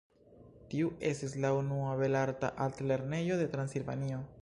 Tiu estis la unua belarta altlernejo de Transilvanio.